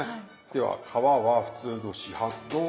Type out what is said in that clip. では皮は普通の市販の皮。